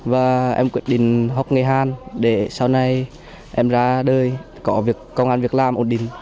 và em quyết định học nghề hàn để sau này em ra đời có việc công an việc làm ổn định